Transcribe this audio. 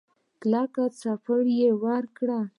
کلکه سپېړه يې ورکړه.